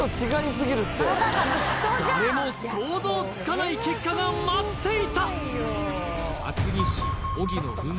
誰も想像つかない結果が待っていたにて